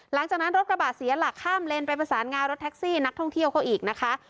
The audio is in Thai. รถกระบะเสียหลักข้ามเลนไปประสานงารถแท็กซี่นักท่องเที่ยวเขาอีกนะคะ